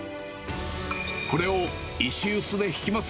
これを石うすでひきます。